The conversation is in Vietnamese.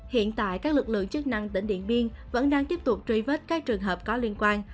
hiện tại các lực lượng chức năng tỉnh điện biên vẫn đang tiếp tục truy vết các trường hợp có liên quan